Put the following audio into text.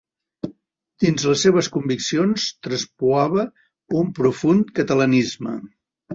Dins les seves conviccions traspuava un profund catalanisme.